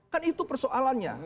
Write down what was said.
kan itu persoalannya